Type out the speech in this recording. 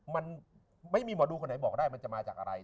มันไม่มีหมอดูคนไหนบอกได้มันจะมาจากอะไร